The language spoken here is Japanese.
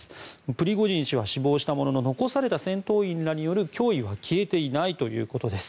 プリゴジン氏は死亡したものの残された戦闘員らによる脅威は消えていないということです。